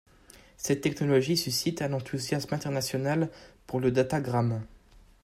Cette technologie suscite un enthousiasme international pour le datagramme.